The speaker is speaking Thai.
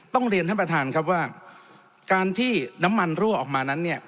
ต้องเรียนท่านประธานครับว่าการที่น้ำมันรั่วออกมานั้นเนี่ย